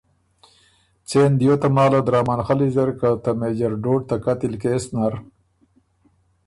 څېن دیو تماله درامن خلّی زر که ته مېجر ډوډ ته قتل کېس نر